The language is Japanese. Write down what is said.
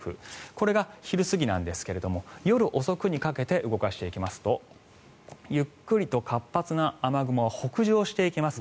これが昼過ぎなんですが夜遅くにかけて動かしていくとゆっくりと活発な雨雲が北上していきます。